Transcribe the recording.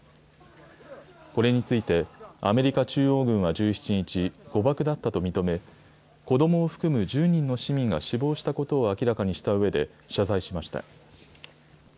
これについて、アメリカ中央軍は１７日、誤爆だったと認め、子どもを含む１０人の市民が死亡したことを明らかにしたうえで謝罪しました。